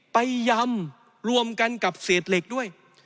ยำรวมกันกับเศษเหล็กด้วย